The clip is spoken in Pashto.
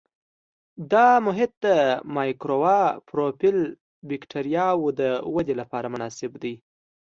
دا محیط د مایکروآیروفیل بکټریاوو د ودې لپاره مناسب دی.